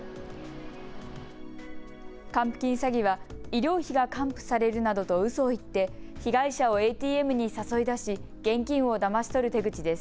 還付金詐欺は医療費が還付されるなどとうそを言って被害者をＡＴＭに誘い出し、現金をだまし取る手口です。